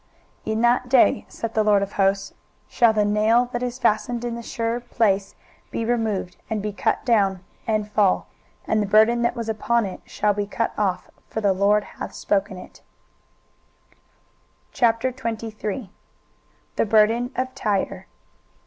23:022:025 In that day, saith the LORD of hosts, shall the nail that is fastened in the sure place be removed, and be cut down, and fall; and the burden that was upon it shall be cut off: for the LORD hath spoken it. 23:023:001 The burden of Tyre.